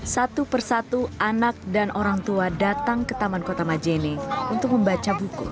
satu persatu anak dan orang tua datang ke taman kota majene untuk membaca buku